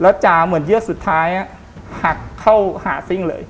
แล้วจะเหมือนเยื่อสุดท้ายหักเข้าหาซิ่งเลย